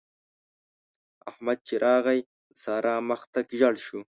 احمد چې راغی؛ د سارا مخ تک ژړ شو.